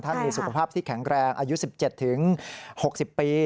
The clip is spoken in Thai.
มีสุขภาพที่แข็งแรงอายุ๑๗๖๐ปี